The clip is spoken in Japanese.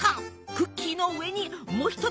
クッキーの上にもう一つ